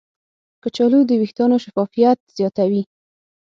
کچالو د ویښتانو شفافیت زیاتوي.